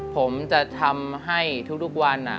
ผมจะทำให้ทุกวัน